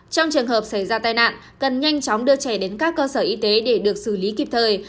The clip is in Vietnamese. trong trường hợp xảy ra tai nạn cần nhanh chóng đưa trẻ đến các cơ sở y tế để được xử lý kịp thời